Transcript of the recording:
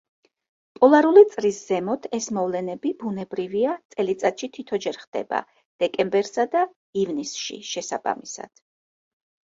პოლარული წრის ზემოთ ეს მოვლენები, ბუნებრივია, წელიწადში თითოჯერ ხდება, დეკემბერსა და ივნისში შესაბამისად.